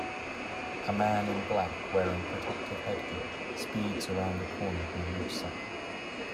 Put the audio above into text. A man in black wearing protective headgear speeds around a corner on a motorcycle.